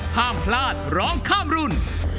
ห้ามพลาดร้องข้ามรุ่น